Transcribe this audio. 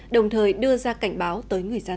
đồng thời đưa ra cảnh báo tới người dân